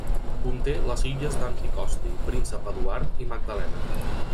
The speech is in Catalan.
Conté les illes d'Anticosti, Príncep Eduard i Magdalena.